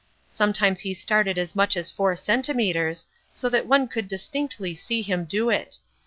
Sometimes he started as much as four centimetres, so that one could distinctly see him do it.